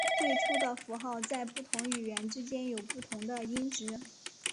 最初的符号在不同语言之间有不同的音值。